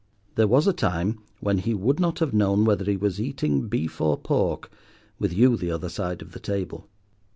There was a time when he would not have known whether he was eating beef or pork with you the other side of the table.